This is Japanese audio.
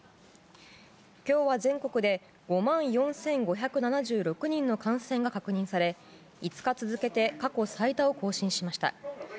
今日は全国で５万４５７６人の感染が確認され５日続けて過去最多を更新しました。